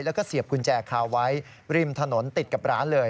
แล้วก็เสียบกุญแจคาไว้ริมถนนติดกับร้านเลย